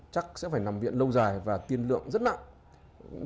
chắc sẽ phải nằm viện lâu dài và tiên lượng rất nặng